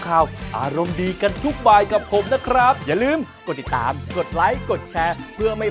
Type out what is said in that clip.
อ่าเราได้สัมใจแล้วค่ะ